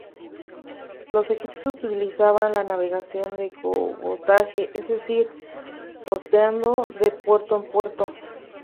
Los egipcios utilizaban la navegación de cabotaje, es decir, costeando de puerto en puerto.